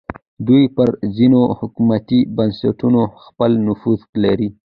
دوی پر ځینو حکومتي بنسټونو خپل نفوذ لري